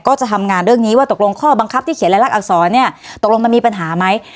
จะทำงานเรื่องนี้ว่าตกลงข้อบังคับที่เขียนและลักษรเนี่ยตกลงมันมีปัญหาไหม